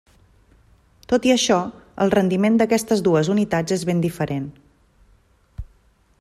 Tot i això, el rendiment d'aquestes dues unitats és ben diferent.